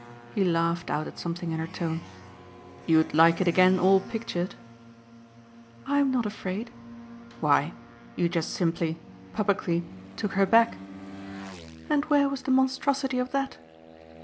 He laughed out at something in her tone. "You'd like it again all pictured ?" "I'm not afraid." "Why, you just simply publicly took her back." "And where was the monstrosity of that?"